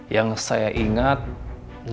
jangan beritahu aku kok cara dia untuk percaya